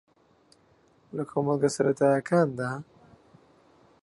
لە کۆمەڵگە سەرەتایییەکاندا